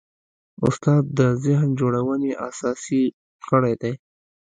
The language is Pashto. استاد د ذهن جوړونې اساسي غړی دی.